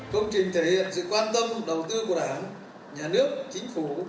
công trình thể hiện sự quan tâm đầu tư của đảng nhà nước chính phủ